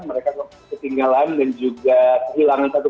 mereka ketinggalan dan juga kehilangan satu